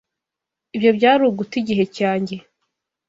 Ibyo byari uguta igihe cyanjye.